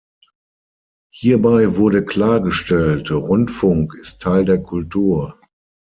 Hierbei wurde klargestellt: "„Rundfunk ist Teil der Kultur.